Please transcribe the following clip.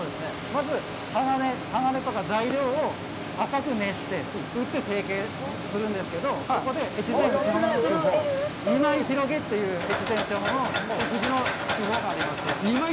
まず、鋼とか材料を赤く熱して、打って成形するんですけど、そこで２枚広げという越前独自の手法があります。